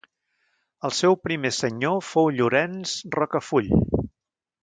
El seu primer senyor fou Llorenç Rocafull.